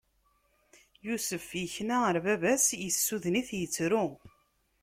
Yusef ikna ɣer baba-s, issuden-it, ittru.